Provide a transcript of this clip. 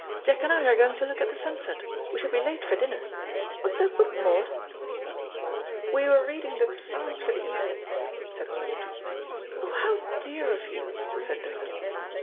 Jack and I are going to look at the sunset. We shall be late for dinner. What's that book, Maud?" "We were reading the Psalms for the evening," said Maud. "Oh, how dear of you!" said Dodo.